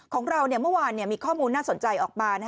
ของเราเมื่อวานมีข้อมูลน่าสนใจออกมา